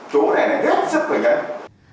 chỗ này này hết sức phải nhấn